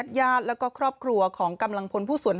บันดายาดแยดและครอบครัวของกำลังพลผู้ส่วนศพ